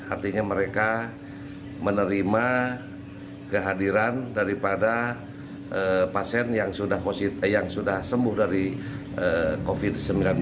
artinya mereka menerima kehadiran daripada pasien yang sudah sembuh dari covid sembilan belas